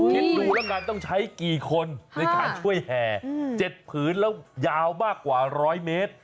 คิดดูแล้วกันต้องใช้กี่คนในการช่วยแห่๗ผืนแล้วยาวมากกว่า๑๐๐เมตร